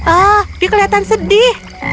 oh dia kelihatan sedih